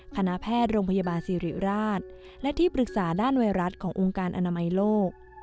คณะแพทย์โรงพยาบาลสิริราชและที่ปรึกษาด้านไวรัสขององค์การอนามัยโลก